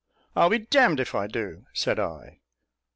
"I'll be d d if I do," said I.